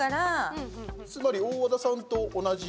つまり大和田さんと同じ？